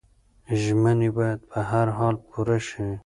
ژمنې باید په هر حال پوره شي.